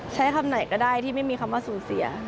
ใช้คำไหนก็ได้ที่ไม่มีคำว่าสูญเสีย